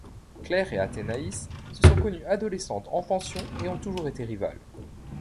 Claire et Athénaïs se sont connues adolescentes en pension et ont toujours été rivales.